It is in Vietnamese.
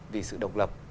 vì sự độc lập